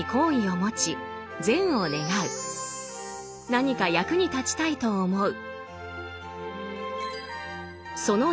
何か役に立ちたいと思う。